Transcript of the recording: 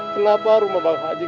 kenapa rumah pak haji